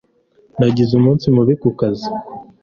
Nagize umunsi mubi ku kazi